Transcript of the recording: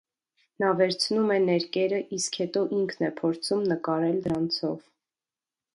Նա վերցնում է ներկերը, իսկ հետո ինքն է փորձում նկարել դրանցով։